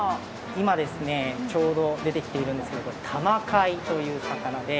今ですねちょうど出てきているんですけれどタマカイという魚で。